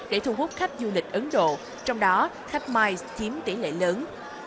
để thu hút khách du lịch ấn độ trong đó khách miles chiếm tỷ lệ lớn